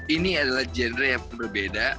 ini adalah genre yang berbeda